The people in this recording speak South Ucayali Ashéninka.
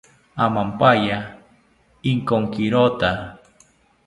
Amampaya Inkokironta